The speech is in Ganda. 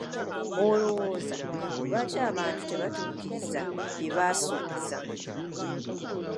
Olowooza lwaki abantu tebatuukiriza bye basuubiza?